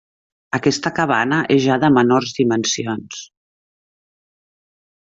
Aquesta cabana és ja de menors dimensions.